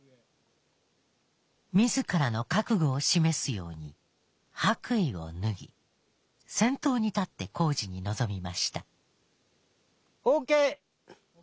みずからの覚悟を示すように白衣を脱ぎ先頭に立って工事に臨みました。ＯＫ！